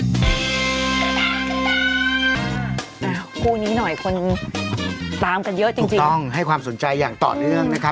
คู่นี้หน่อยคนตามกันเยอะจริงจริงต้องให้ความสนใจอย่างต่อเนื่องนะครับ